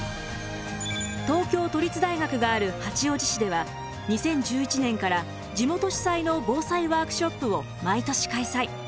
東京都立大学がある八王子市では２０１１年から地元主催の防災ワークショップを毎年開催。